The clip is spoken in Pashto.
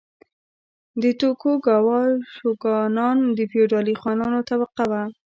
د توکوګاوا شوګانان د فیوډالي خانانو طبقه وه.